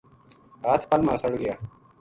ہَتھ پل ما سڑ گیا